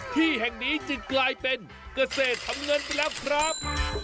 ที่แห่งนี้จึงกลายเป็นเกษตรทำเงินไปแล้วครับ